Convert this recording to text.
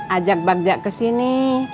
ajak bagja ke sini